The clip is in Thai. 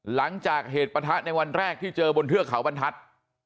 หลังจากเหตุปะทะในวันแรกที่เจอบนเทือกเขาบรรทัศน์